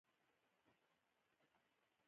د انسان پښې د بدن وزن څو چنده برداشت کوي.